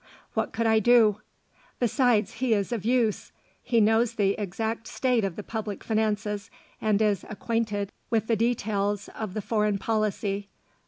What could I do? Besides he is of use. He knows the exact state of the public finances and is acquainted with the details of the foreign policy.